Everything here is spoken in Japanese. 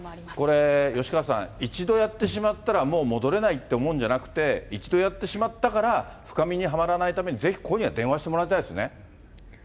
これ、吉川さん、一度やってしまったら、もう戻れないって思うんじゃなくて、一度やってしまったから、深みにはまらないために、ぜひここには電話してもらいたいですね。